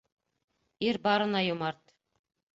Ир барына йомарт.